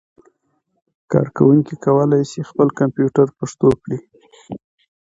کاروونکي کولای شي خپل کمپيوټر پښتو کړي.